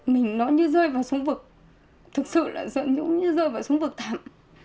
mình nói như rơi vào súng vực thực sự là sợ nhũng như rơi vào súng vực thẳm